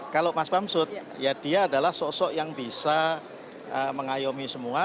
kalau mas bamsud ya dia adalah sosok yang bisa mengayomi semua